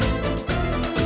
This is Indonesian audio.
teganya teganya teganya